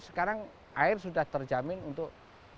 sekarang air sudah terjamin untuk